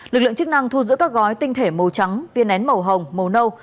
lực lượng chức năng thu giữ các gói tinh thể màu trắng viên nén màu hồng màu nâu